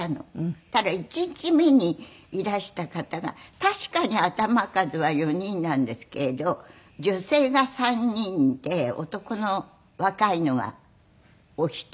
そしたら１日目にいらした方が確かに頭数は４人なんですけれど女性が３人で男の若いのはお一人で。